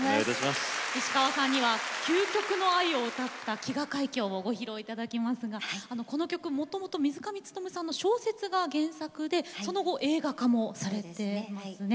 石川さんには究極の愛を歌った「飢餓海峡」をご披露頂きますがこの曲もともと水上勉さんの小説が原作でその後映画化もされてますね。